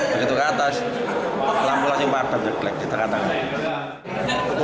begitu ke atas lampu langsung panggung